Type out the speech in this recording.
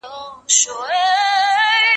زه به سبا کتابونه لوستل کوم،